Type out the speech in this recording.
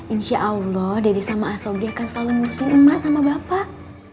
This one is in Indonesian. insya allah dede sama asob dia akan selalu ngurusin emak sama bapak